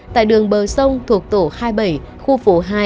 tại đường bờ sông thuộc tổ hai mươi bảy khu phố hai